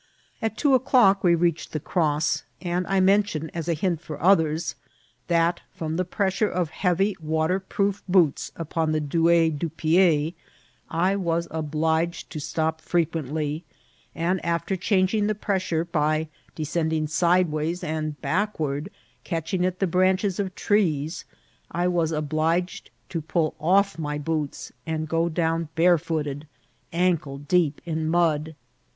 At two o'clock we reach ed the cross ; and I mention, as a hint for others, that, from the pressure of heavy water proof boots upon the doigis du piedy I was obliged to stop firequently; and, after changing the pressure by descending sidewise and backward, catching at the branches of trees, I was obliged to pull off my boots and go down barefooted, ankle deep in mud.